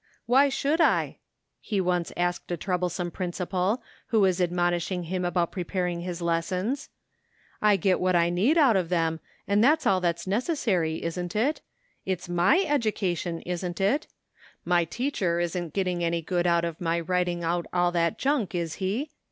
" Why should I ?" he once answered a troublesome principal who was admonishing him about preparing 148 THE FINDING OF JASPER HOLT his lessons, " I get what I need out of them, and that's all that's necessary, isn't it? It's my education, isn't it? My teacher isn't getting any good out of my writing out all that junk, is he?